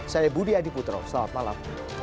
saya budi adiputro selamat malam